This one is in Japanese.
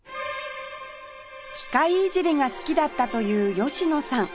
機械いじりが好きだったという吉野さん